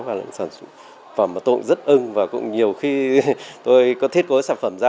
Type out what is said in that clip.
và tôi cũng rất ưng và cũng nhiều khi tôi có thiết cố sản phẩm ra